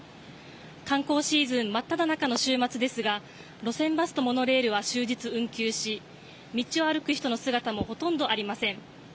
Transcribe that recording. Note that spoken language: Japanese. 観光シーズン真っただ中の週末ですが路線バスとモノレールは終日運休し道を歩く人の姿もほとんどありません。